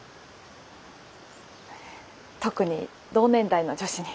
特に同年代の女子に。